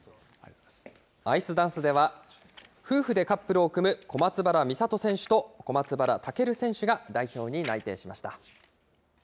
アイスダンスでは、夫婦でカップルを組む、小松原美里選手と小松原尊選手が代表に内定しました。